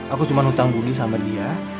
aku cuma hutang buni sama dia